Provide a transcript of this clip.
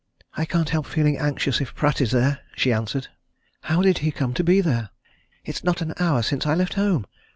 "I can't help feeling anxious if Pratt is there," she answered. "How did he come to be there? It's not an hour since I left home.